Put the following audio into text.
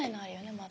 まだ。